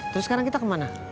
terus sekarang kita kemana